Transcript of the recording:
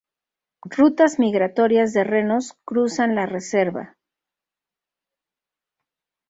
Rutas migratorias de renos cruzan la reserva.